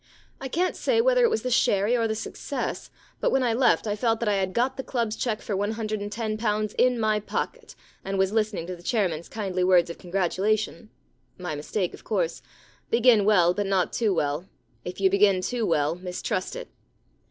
I can't say whether it was the sherry or the success, but when I left I felt that I had got the club's cheque for one hundred and ten pounds in my pocket and was listening 49 The Problem Club to the chairman's kindly words of congratu lation. My mistake, of course. Begin well, but not too well. If you begin too well, mistrust it.